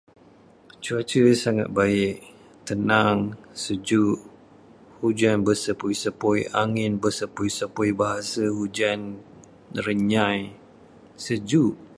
Cuaca sangat baik, tenang, sejuk, hujan bersepoi-sepoi, angin bersepoi-sepoi bahasa, hujan renyai sejuk.